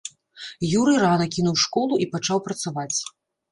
Юрый рана кінуў школу і пачаў працаваць.